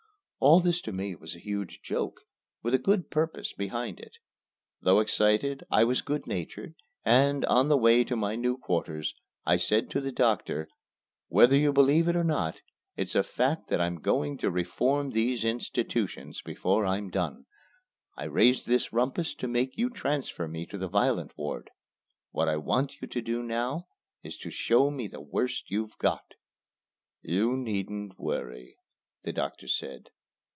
All this to me was a huge joke, with a good purpose behind it. Though excited I was good natured and, on the way to my new quarters, I said to the doctor: "Whether you believe it or not, it's a fact that I'm going to reform these institutions before I'm done. I raised this rumpus to make you transfer me to the violent ward. What I want you to do now is to show me the worst you've got." "You needn't worry," the doctor said.